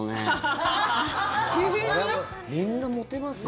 そりゃみんなモテますよ。